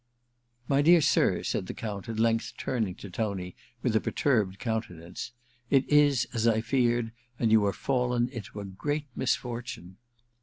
* My dear sir,* said the Count, at length turning to Tony with a perturbed countenance, Mt is as I feared, and you are fallen into a great misfortune.'